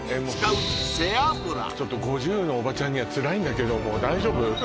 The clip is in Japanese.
ちょっと５０のおばちゃんにはつらいんだけど大丈夫？